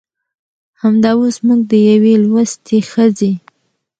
همدا اوس موږ د يوې لوستې ښځې